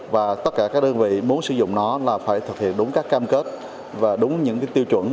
và tất cả các đơn vị muốn sử dụng nó là phải thực hiện đúng các cam kết và đúng những tiêu chuẩn